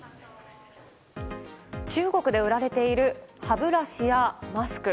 中国で売られている歯ブラシやマスク。